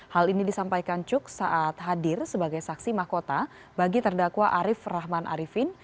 hal ini disampaikan cuk saat hadir sebagai saksi mahkota bagi terdakwa arief rahman arifin